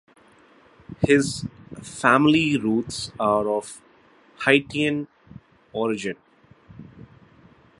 His family roots are of Haitian origin.